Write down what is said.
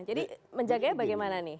jadi menjaganya bagaimana nih